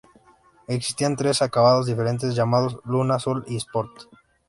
Existían tres acabados diferentes, llamados Luna, Sol y Sport.